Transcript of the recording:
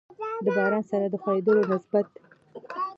د باران سره د خوييدلو نسبت